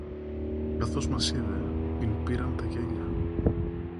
Καθώς μας είδε, την πήραν τα γέλια